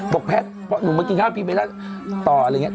บอกแพ้ตนูมากินข้าวที่๓ปีไปต่ออะไรงี้